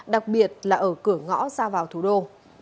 đặc biệt là ở cửa ngõ ra vào thủ đô